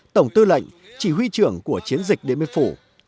tổng tư lệnh chỉ huy trưởng của chiến dịch điện biên phủ